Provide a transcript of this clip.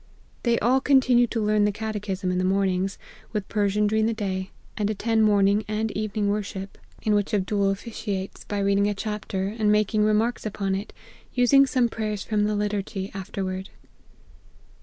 They all continue to learn the catechism in the mornings, with Persian during the day ; and attend morning and evening worship, in which Ab T2 222 APPENDIX. dool officiates, by reading a chapter, and remarks upon it, using some prayers from the lit^ urgy afterward.